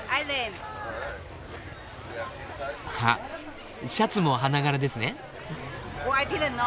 あっシャツも花柄ですね。